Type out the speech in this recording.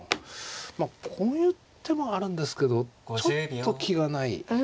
まあこういう手もあるんですけどちょっと気がない。